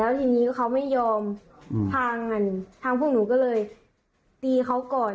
ทีนี้เขาไม่ยอมพากันทางพวกหนูก็เลยตีเขาก่อน